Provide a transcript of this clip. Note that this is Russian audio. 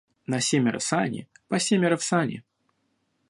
На семеро сани, по семеро в сани.